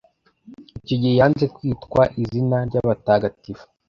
Icyo gihe yanze kwitwa izina ry’Abatagatifu,